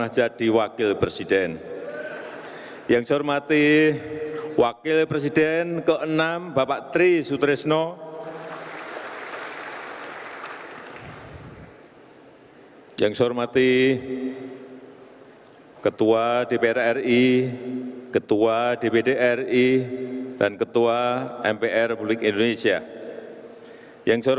hei yang koram yang go